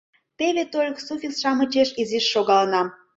Теве тольык суффикс-шамычеш изиш шогалынам.